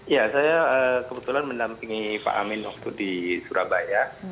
ya saya kebetulan mendampingi pak amin waktu di surabaya